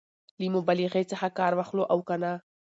له مبالغې څخه کار واخلو او که نه؟